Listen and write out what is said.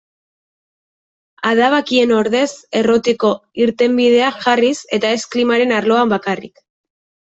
Adabakien ordez errotiko irtenbideak jarriz, eta ez klimaren arloan bakarrik.